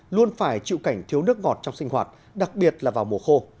luôn phải chịu cảnh thiếu nước ngọt trong sinh hoạt đặc biệt là vào mùa khô